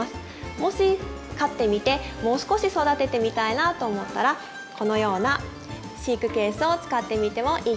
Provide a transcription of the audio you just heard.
もし飼ってみてもう少し育ててみたいなと思ったらこのような飼育ケースを使ってみてもいいと思います。